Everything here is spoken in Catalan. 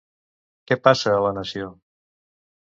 Què passa a la nació?